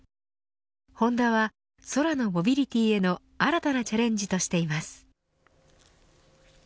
ホンダは、空のモビリティへの新たなチャレンジとしています。